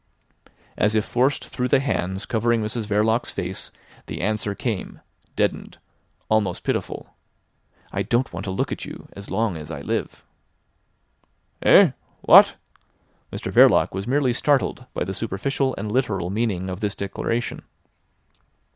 As if forced through the hands covering Mrs Verloc's face the answer came, deadened, almost pitiful. "I don't want to look at you as long as I live." "Eh? What!" Mr Verloc was merely startled by the superficial and literal meaning of this declaration.